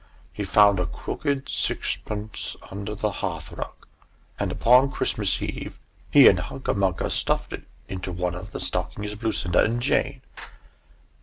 He found a crooked sixpence under the hearth rug; and upon Christmas Eve, he and Hunca Munca stuffed it into one of the stockings of Lucinda and Jane.